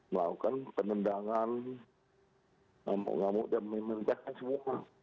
melakukan penendangan ngamuk ngamuk dan memindahkan semua